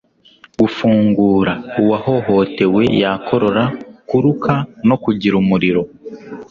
gufungura. uwahohotewe yakorora, kuruka no kugira umuriro